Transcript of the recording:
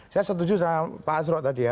saya setuju sama pak asro tadi ya